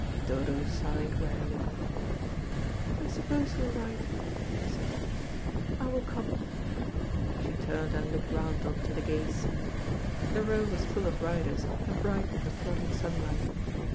Dodo sighed wearily. "I suppose you are right," she said; "I will come." She turned and looked round on to the gay scene. The Row was full of riders, and bright with the flooding sunlight.